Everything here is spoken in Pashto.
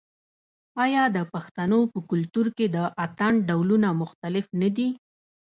آیا د پښتنو په کلتور کې د اتن ډولونه مختلف نه دي؟